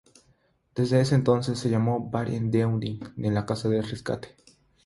Desde ese entonces se llamó Bar-en-Danwedh, la "Casa de Rescate".